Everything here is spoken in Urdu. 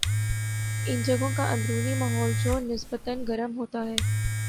ان جگہوں کا اندرونی ماحول جو نسبتا گرم ہوتا ہے